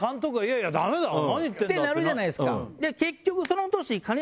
ってなるじゃないですか。